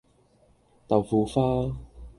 豆腐花